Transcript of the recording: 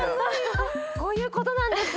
こういうことなんです。